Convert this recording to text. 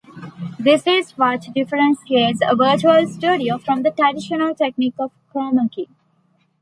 This is what differentiates a virtual studio from the traditional technique of chromakey.